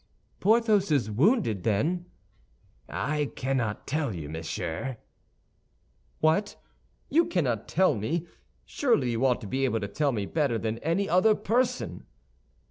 "Porthos is wounded, then?" "I cannot tell you, monsieur." "What! You cannot tell me? Surely you ought to be able to tell me better than any other person."